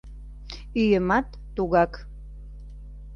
Ӱйымат — тугак.